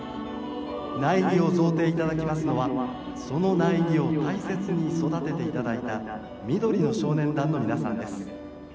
苗木を贈呈いただきますのはその苗木を大切に育てていただいた緑の少年団の皆さんです。